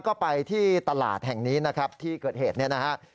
ก็ไปที่ตลาดแห่งนี้นะครับที่เกิดเหตุเนี่ยนะฮะ